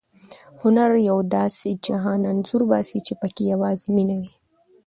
هنر د یو داسې جهان انځور باسي چې پکې یوازې مینه وي.